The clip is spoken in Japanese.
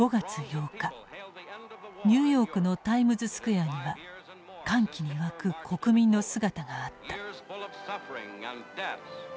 ニューヨークのタイムズスクエアには歓喜に沸く国民の姿があった。